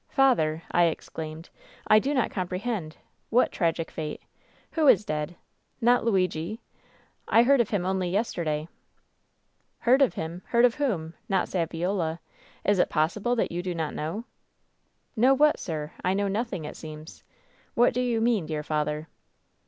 " 'Father !' I exclaimed ; 'I do not comprehend. What tragic fate? Who is dead? Not Luigi! I heard of him only yesterday !'" 'Heard of him ? Heard of whom ? Not Saviola ? Is it possible that you do not know ?'" 'Know what, sir ? I know nothing, it seems. What do you mean, dear father